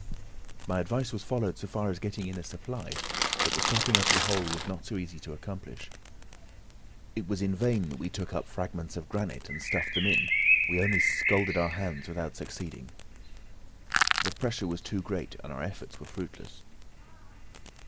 My advice was followed so far as getting in a supply; but the stopping up of the hole was not so easy to accomplish. It was in vain that we took up fragments of granite, and stuffed them in with tow, we only scalded our hands without succeeding. The pressure was too great, and our efforts were fruitless.